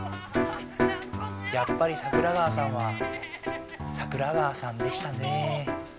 やっぱり桜川さんは桜川さんでしたねぇ。